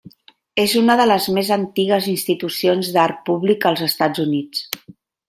És una de les més antigues institucions d'art públic als Estats Units.